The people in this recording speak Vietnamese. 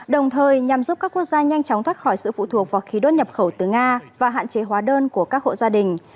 đồng thời nhằm giúp các quốc gia nhanh chóng thoát khỏi sự phụ thuộc vào khí đốt nhập khẩu từ nga và hạn chế hóa đơn của các hộ gia đình